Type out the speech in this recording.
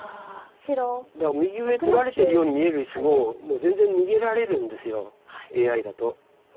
だから右上取られてるように見える石ももう全然逃げられるんですＡＩだと。